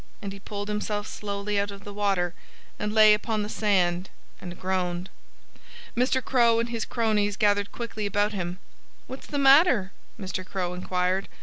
And he pulled himself slowly out of the water, and lay upon the sand and groaned. Mr. Crow and his cronies gathered quickly about him. "What's the matter?" Mr. Crow inquired.